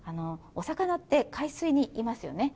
お魚って海水にいますよね。